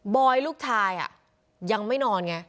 อยลูกชายยังไม่นอนไง